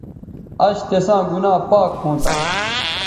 اش تساں گنا پاک ھونتہ